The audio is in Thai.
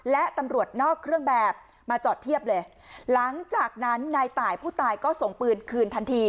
และตำรวจนอกเครื่องแบบมาจอดเทียบเลยหลังจากนั้นนายตายผู้ตายก็ส่งปืนคืนทันที